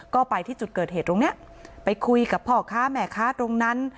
ก็ไปที่จุดเกิดเหตุตรงนี้ไปคุยกับพ่อค้าแม่ค้าตรงนั้น